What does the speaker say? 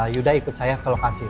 yuda ikut saya ke lokasi